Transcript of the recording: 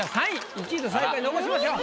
１位と最下位残しましょう。